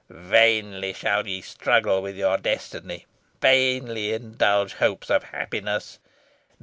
Vainly shall ye struggle with your destiny vainly indulge hopes of happiness.